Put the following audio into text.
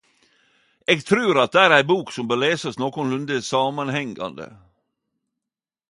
Eg trur at det er ei bok som bør lesast nokonlunde samanhengande.